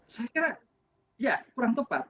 saya kira ya kurang tepat